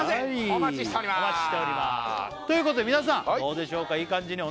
お待ちしておりますということでどうでしょうかいい感じに